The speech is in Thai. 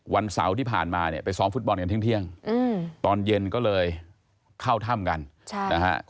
วันเสาร์ที่ผ่านมาเนี่ยไปซ้อมฟุตบอลกันเที่ยงตอนเย็นก็เลยเข้าถ้ำกันนะฮะ